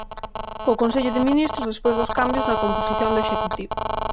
O Consello de Ministros despois dos cambios na composición do Executivo.